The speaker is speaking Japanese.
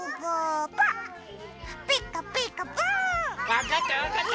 わかったわかった！